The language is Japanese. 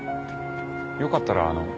よかったらあのう。